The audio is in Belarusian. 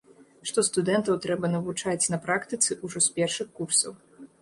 Што студэнтаў трэба навучаць на практыцы ўжо з першых курсаў.